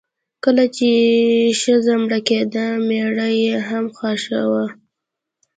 کله چې ښځه مړه کیده میړه یې هم خښاوه.